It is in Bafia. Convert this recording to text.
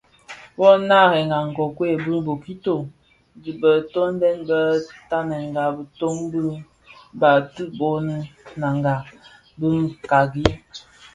Bō narèn nkokuei a bokito bi dhi tondèn bi tanènga bitoň bi Bati (boni Nanga) bi Kpagi.